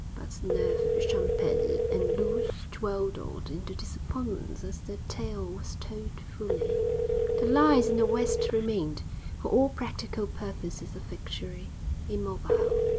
But Neuve Chapelle and Loos dwindled into disappointments as their tale was told fully; the lines in the West remained, for all practical purposes of victory, immobile.